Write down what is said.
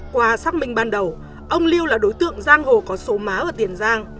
qua xác minh ban đầu ông lưu là đối tượng giang hồ có số má ở tiền giang